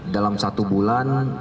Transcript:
dalam satu bulan